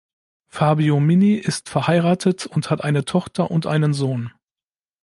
Fabio Mini ist verheiratet und hat eine Tochter und einen Sohn.